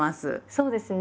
そうですね。